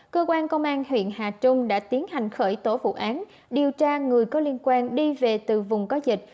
cơ quan công an huyện hà trung đã tiến hành khởi tố vụ án điều tra người có liên quan đi về từ vùng có dịch